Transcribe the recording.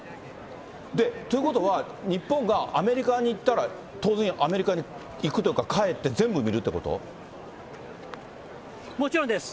ということは、日本がアメリカに行ったら、当然アメリカに行くというか、もちろんです。